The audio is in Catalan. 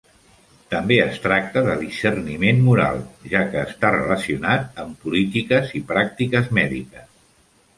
També es tracta de discerniment moral, ja que està relacionat amb polítiques i pràctiques mèdiques.